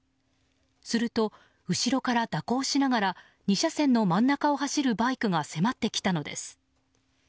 すると、後ろから蛇行しながら２車線の真ん中を走るバイクが迫ってきたのです。